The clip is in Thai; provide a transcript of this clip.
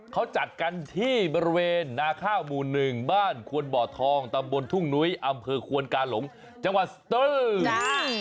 เขาจัดกันที่บริเวณนาข้าวหมู่หนึ่งบ้านควนบ่อทองตำบลทุ่งนุ้ยอำเภอควนกาหลงจังหวัดสตือ